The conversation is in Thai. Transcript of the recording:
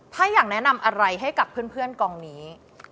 ถ้าอยากแนะนำอะไรให้กับเพื่อนกองนี้